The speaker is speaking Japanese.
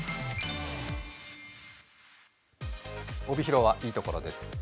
帯広はいいところです。